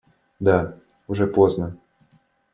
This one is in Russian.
Да, уже поздно.